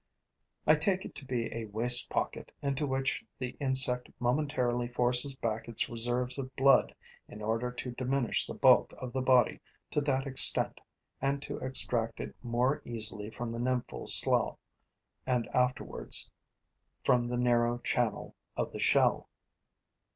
I take it to be a waste pocket into which the insect momentarily forces back its reserves of blood in order to diminish the bulk of the body to that extent and to extract it more easily from the nymphal slough and afterwards from the narrow channel of the shell.